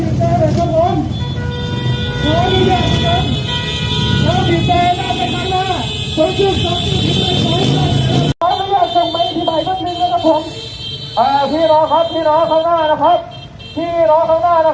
หลงซ้ายที่น้องเคลื่อนไปเลยครับตอนนี้สบวนข้างหลังติดอยู่ครับ